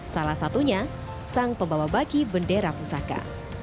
salah satunya sang pembawa baki bendera pusaka